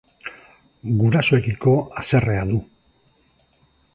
Gurasoekiko haserrea du.